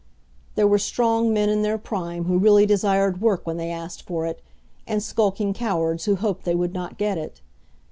There were strong men in their prime who really desired work when they asked for it, and skulking cowards who hoped they would not get it.